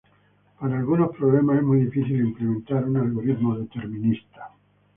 Para algunos problemas es muy difícil implementar un algoritmo determinista.